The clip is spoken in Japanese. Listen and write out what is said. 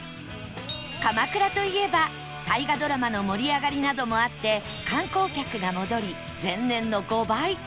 鎌倉といえば大河ドラマの盛り上がりなどもあって観光客が戻り前年の５倍